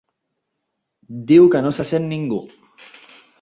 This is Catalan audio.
Diu que no se sent ningú.